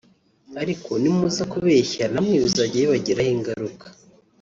ariko nimuza kubeshya namwe bizajya bibagiraho ingaruka